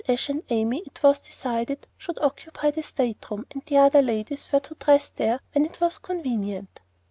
Ashe and Amy, it was decided, should occupy the state room, and the other ladies were to dress there when it was convenient.